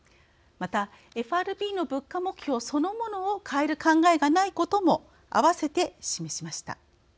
また、ＦＲＢの物価目標そのものを変える考えがないことも併せて、示しました。